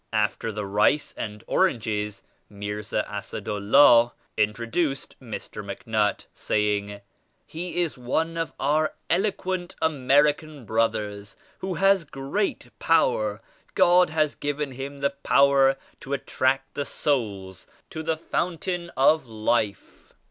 After the rice and oranges, Mirza Assad UUah introduced Mr. MacNutt saying, "He is one of our elo quent American brothers who has great power. God has given him the power to attract souls to the Fountain of Life.